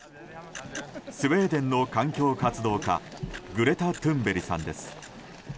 スウェーデンの環境活動家グレタ・トゥーンベリさんです。